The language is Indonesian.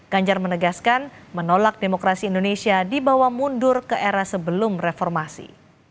ganjar menegaskan menolak demokrasi indonesia dibawa mundur ke era sebelum reformasi